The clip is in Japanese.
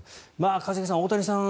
一茂さん、大谷さん